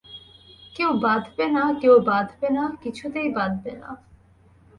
কেউ বাঁধবে না, কেউ বাঁধবে না, কিছুতেই বাঁধবে না।